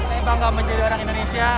saya bangga menjadi orang indonesia